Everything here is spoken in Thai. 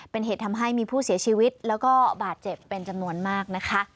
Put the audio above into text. เป็นเหตุทำให้มีผู้เสียชีวิตแล้วก็บาดเจ็บเป็นจำนวนมากนะคะ